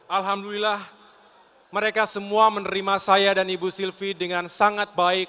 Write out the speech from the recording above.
alhamdulillah mereka semua menerima saya dan ibu sylvie dengan sangat baik